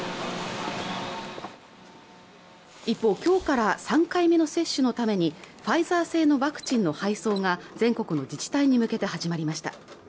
一方きょうから３回目の接種のためにファイザー製のワクチンの配送が全国の自治体に向けて始まりました